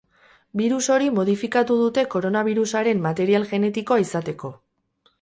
Birus hori modifikatu dute koronabirusaren material genetikoa izateko.